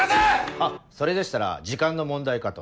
あっそれでしたら時間の問題かと。